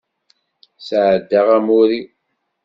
Sεeddaɣ amur-iw.